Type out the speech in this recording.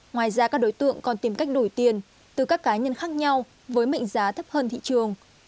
ngoài ra các đối tượng còn tìm cách đổi tiền từ các cá nhân khác nhau với mệnh giá thấp hơn thị trường